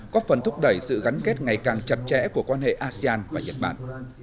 có phần thúc đẩy sự gắn kết ngày càng chặt chẽ của quan hệ asean và nhật bản